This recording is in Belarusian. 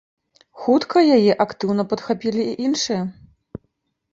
Хутка яе актыўна падхапілі і іншыя.